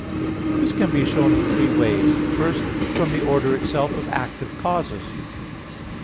This can be shown in three ways: First, from the order itself of active causes.